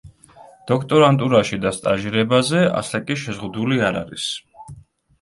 დოქტორანტურაში და სტაჟირებაზე ასაკი შეზღუდული არ არის.